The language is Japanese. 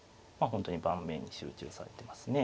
本当に盤面に集中されてますね。